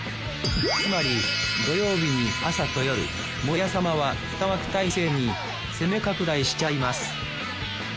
つまり土曜日に朝と夜「モヤさま」は２枠体制に攻め拡大しちゃいます